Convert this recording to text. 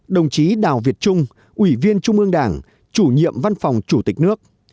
đồng chí đào việt trung ủy viên trung ương đảng chủ nhiệm văn phòng chủ tịch nước